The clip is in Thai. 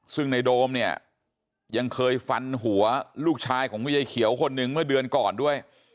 ซึ่งในโดมเนี่ยยังเคยฟันหัวลูกชายของเวียเขียวคนหนึ่งเมื่อเดือนก่อนด้วย